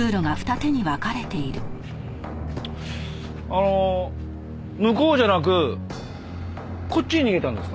あの向こうじゃなくこっちに逃げたんですか？